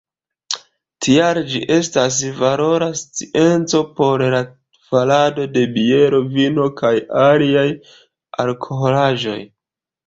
Tial ĝi estas valora scienco por la farado de biero, vino, kaj aliaj alkoholaĵoj.